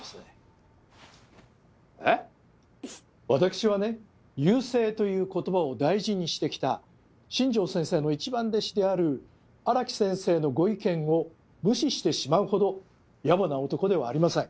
わたくしはね「遊星」という言葉を大事にしてきた新城先生の一番弟子である荒木先生のご意見を無視してしまうほどやぼな男ではありません。